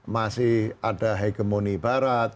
masih ada hegemoni barat